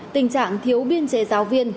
tình trạng thiếu biên trệ giáo viên